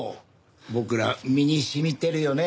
僕ら身に染みてるよね。